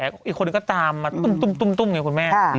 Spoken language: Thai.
อีกคนนึงก็ตามมาตุ้มอย่างนี้คุณแม่